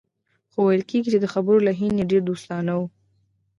خو ویل کېږي چې د خبرو لحن یې ډېر دوستانه و